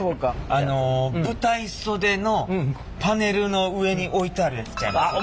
あの舞台袖のパネルの上に置いてあるやつちゃいますか。